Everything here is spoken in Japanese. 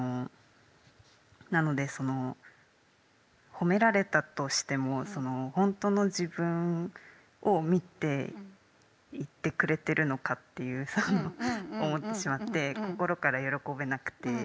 なのでその褒められたとしてもほんとの自分を見て言ってくれてるのかって思ってしまって心から喜べなくて。